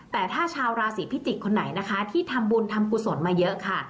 แต่ถ้าชาวราศีพิจิกษ์คนไหนนะคะที่ทำบุญทำกุศลมาเยอะค่ะ